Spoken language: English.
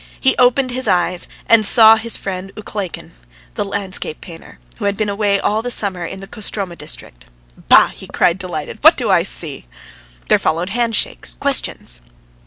He opened his eyes and saw his friend Ukleikin, the landscape painter, who had been away all the summer in the Kostroma district. "Bah!" he cried, delighted. "What do I see?" There followed handshakes, questions.